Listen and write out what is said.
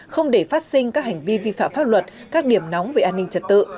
không để phát sinh các hành vi vi phạm pháp luật các điểm nóng về an ninh trật tự